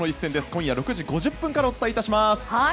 今夜６時５０分からお伝えします。